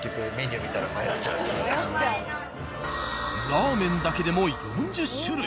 ラーメンだけでも４０種類。